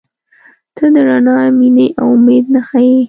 • ته د رڼا، مینې، او امید نښه یې.